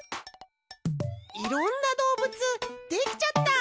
いろんなどうぶつできちゃった！